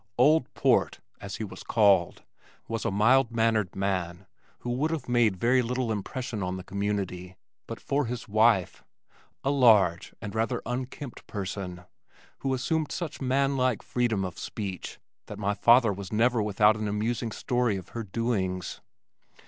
Old Port, as he was called, was a mild mannered man who would have made very little impression on the community, but for his wife, a large and rather unkempt person, who assumed such man like freedom of speech that my father was never without an amusing story of her doings.